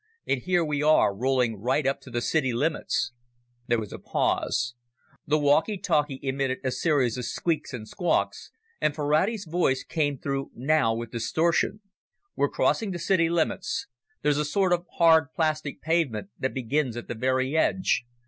And here we are rolling right up to the city limits." There was a pause. The walkie talkie emitted a series of squeaks and squawks, and Ferrati's voice came through now with distortion. "We're crossing the city limits there's a sort of hard, plastic pavement that begins at the very edge.